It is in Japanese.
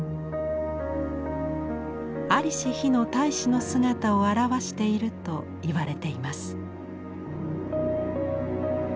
在りし日の太子の姿を表していると言われています。